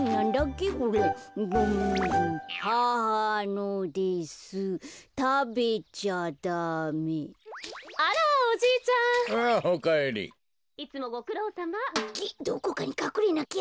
げっどこかにかくれなきゃ。